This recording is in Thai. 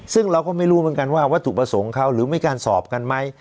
ซึ่งเราก็ไม่รู้เหมือนกันว่าวัตถุประสงค์เขาหรือไม่การสอบกันไหม